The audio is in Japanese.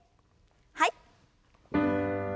はい。